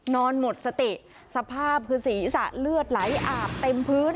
นอนหมดสติสภาพคือศีรษะเลือดไหลอาบเต็มพื้น